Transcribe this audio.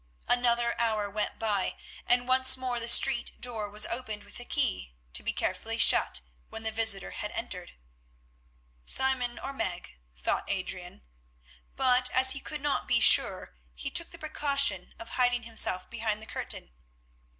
Another hour went by, and once more the street door was opened with a key, to be carefully shut when the visitor had entered. Simon or Meg, thought Adrian, but as he could not be sure he took the precaution of hiding himself behind the curtain.